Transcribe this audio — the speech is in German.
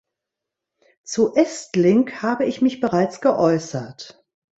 Zu Estlink habe ich mich bereits geäußert.